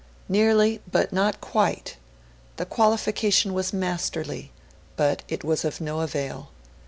"' Nearly, but not quite! The qualification was masterly; but it was of no avail.